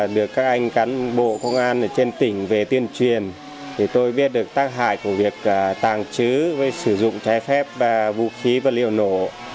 được các anh cán bộ công an ở trên tỉnh về tuyên truyền thì tôi biết được tác hại của việc tàng trữ với sử dụng trái phép vũ khí và liệu nổ